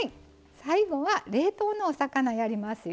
最後は冷凍のお魚をやりますよ。